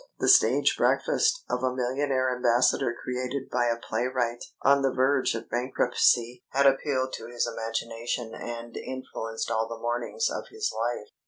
The stage breakfast of a millionaire ambassador created by a playwright on the verge of bankruptcy had appealed to his imagination and influenced all the mornings of his life.